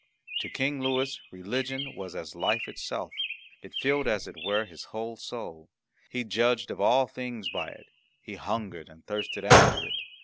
To King Louis religion was as life itself. It filled, as it were, his whole soul; he judged of all things by it; he hungered and thirsted after it.